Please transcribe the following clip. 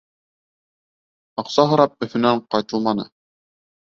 Аҡса һорап Өфөнән ҡайтылманы.